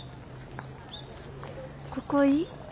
ここいい？